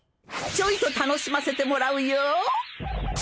ちょいと楽しませてもらうよ。